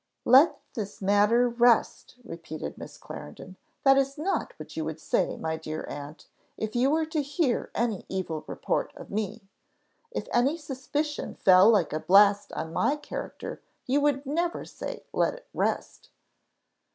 "Let this matter rest!" repeated Miss Clarendon; "that is not what you would say, my dear aunt, if you were to hear any evil report of me. If any suspicion fell like a blast on my character you would never say 'let it rest.